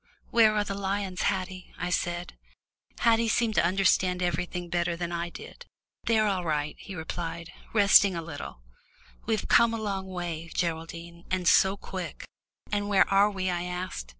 "Where are the lions, Haddie?" I said. Haddie seemed to understand everything better than I did. "They're all right," he replied, "resting a little. You see we've come a long way, Geraldine, and so quick." "And where are we?" I asked.